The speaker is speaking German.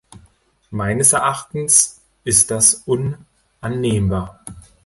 Meines Erachtens ist das unannehmbar.